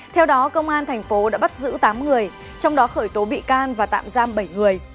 theo đó công an thành phố đã bắt giữ tám người trong đó khởi tố bị can và tạm giam bảy người